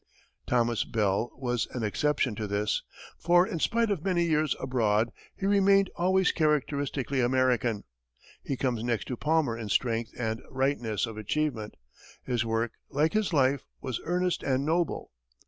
Thomas Ball was an exception to this; for, in spite of many years abroad, he remained always characteristically American. He comes next to Palmer in strength and rightness of achievement; his work, like his life, was earnest and noble.